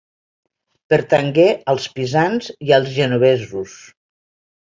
Pertangué als pisans i als genovesos.